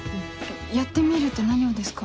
やってみるって何をですか？